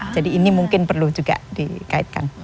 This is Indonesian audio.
jadi ini mungkin perlu juga dikaitkan